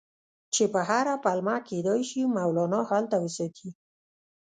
چې په هره پلمه کېدلای شي مولنا هلته وساتي.